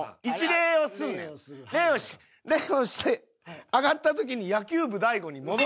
礼をして上がった時に野球部大悟に戻る。